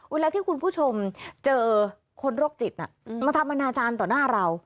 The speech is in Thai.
เวลาที่คุณผู้ชมเจอคนโรคจิตมาทำอนาจารย์ต่อหน้าเรา